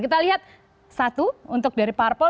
kita lihat satu untuk dari parpol